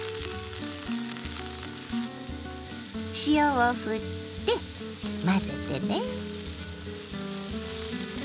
塩をふって混ぜてね。